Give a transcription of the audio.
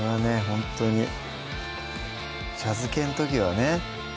ほんとに茶漬けの時はね